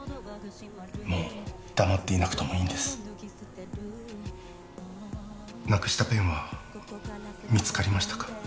もう黙っていなくともいいんですなくしたペンは見つかりましたか？